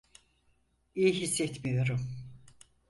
İyi hissetmiyorum.